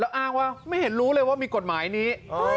อ้างว่าไม่เห็นรู้เลยว่ามีกฎหมายนี้